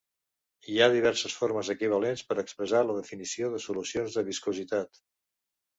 Hi ha diverses formes equivalents per expressar la definició de solucions de viscositat.